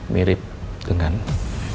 mirip dengan elsa